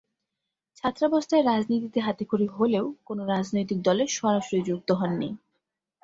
ছাত্রাবস্থায় রাজনীতিতে হাতেখড়ি হলেও, কোন রাজনৈতিক দলে সরাসরি যুক্ত হন নি।